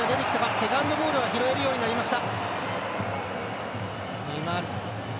セカンドボールは拾えるようになりました。